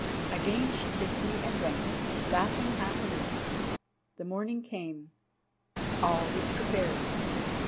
Again she kissed me and went, laughing happily. The morning came. All was prepared.